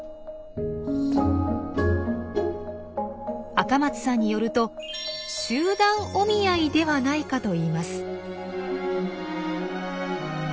赤松さんによると集団お見合いではないかといいます。